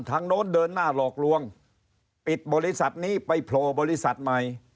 โน้นเดินหน้าหลอกลวงปิดบริษัทนี้ไปโผล่บริษัทใหม่